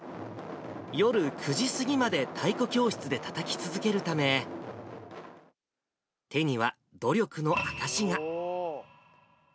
夜９時過ぎまで太鼓教室でたたき続けるため、手には努力の証しが。